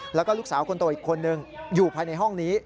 แล้วก็ลูกสาวคนโตอีกคนนึงอยู่ภายในห้องนี้